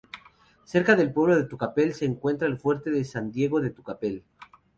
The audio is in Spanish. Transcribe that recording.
Cerca del pueblo de Tucapel se encuentra el Fuerte San Diego de Tucapel.